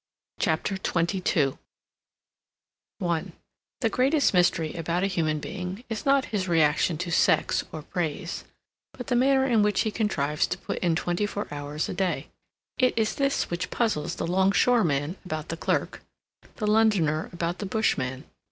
CHAPTER XXII I THE greatest mystery about a human being is not his reaction to sex or praise, but the manner in which he contrives to put in twenty four hours a day. It is this which puzzles the long shoreman about the clerk, the Londoner about the bushman.